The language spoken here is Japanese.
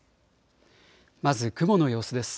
まず雲の様子です。